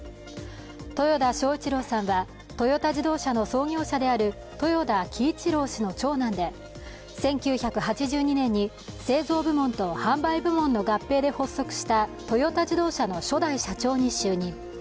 豊田章一郎さんはトヨタ自動車の創業者である豊田喜一郎の長男で１９８２年に製造部門と販売部門の合併で発足したトヨタ自動車の初代社長に就任。